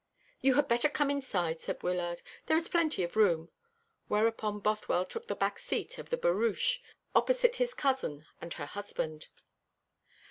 "You had better come inside," said Wyllard; "there is plenty of room;" whereupon Bothwell took the back seat of the barouche, opposite his cousin and her husband.